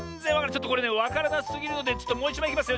ちょっとこれねわからなすぎるのでちょっともういちまいいきますよ。